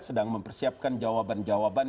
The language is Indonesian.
sedang mempersiapkan jawaban jawaban